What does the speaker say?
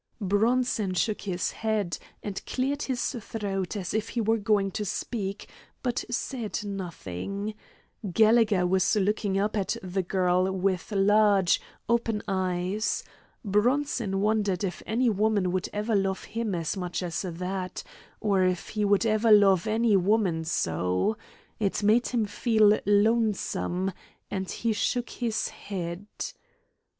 Bronson shook his head, and cleared his throat as if he were going to speak, but said nothing. Gallegher was looking up at the girl with large, open eyes. Bronson wondered if any woman would ever love him as much as that, or if he would ever love any woman so. It made him feel lonesome, and he shook his head.